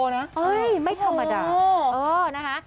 เขาเป็นบีโลนะโอ้โหโอ้โหโอ้โหนะคะ